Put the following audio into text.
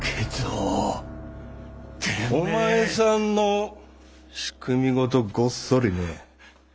お前さんの組織ごとごっそりね。